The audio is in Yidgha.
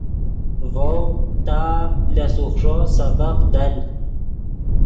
ڤؤ تا لس اوخݰو سبق دل